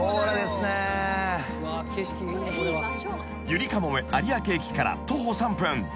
［ゆりかもめ有明駅から徒歩３分］